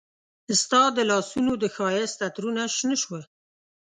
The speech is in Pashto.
ستا د لاسونو د ښایست عطرونه شنه شوه